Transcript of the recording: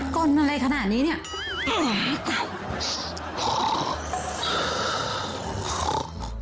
ก่อนอะไรขนาดนี้เนี่ย